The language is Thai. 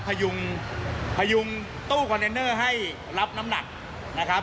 พยุงพยุงตู้คอนเทนเนอร์ให้รับน้ำหนักนะครับ